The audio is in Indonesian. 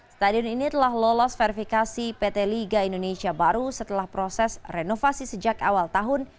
stadion ini telah lolos verifikasi pt liga indonesia baru setelah proses renovasi sejak awal tahun